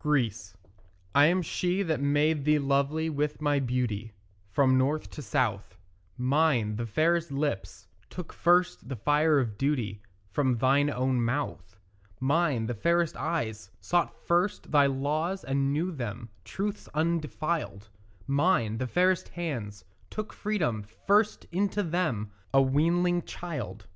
GREECE I am she that made thee lovely with my beauty From north to south: Mine, the fairest lips, took first the fire of duty From thine own mouth. Mine, the fairest eyes, sought first thy laws and knew them Truths undefiled; Mine, the fairest hands, took freedom first into them, A weanling child.